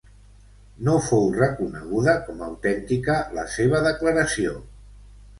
No fou reconeguda com a autèntica la seva declaració.